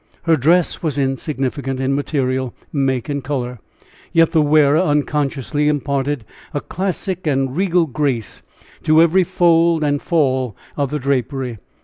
Her dress was insignificant in material, make and color, yet the wearer unconsciously imparted a classic and regal grace to every fold and fall of the drapery.